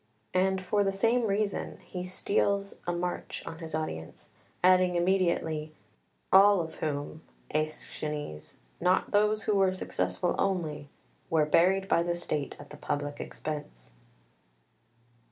And for the same reason he steals a march on his audience, adding immediately: "All of whom, Aeschines, not those who were successful only, were buried by the state at the public expense."